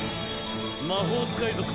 魔法使い